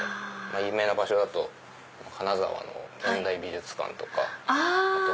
有名な場所だと金沢の現代美術館とか。あ